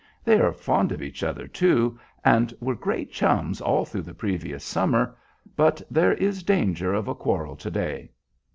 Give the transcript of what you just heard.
They are fond of each other, too, and were great chums all through the previous summer; but there is danger of a quarrel to day.